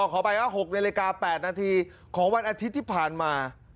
อ้อขอไปว่า๖ในรกา๘นาทีของวันอาทิตย์ที่ผ่านมา